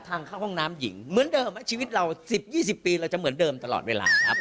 ทางเข้าห้องน้ำหญิงเหมือนเดิมชีวิตเรา๑๐๒๐ปีเราจะเหมือนเดิมตลอดเวลาครับ